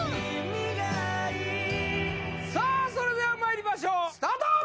それではまいりましょうスタート！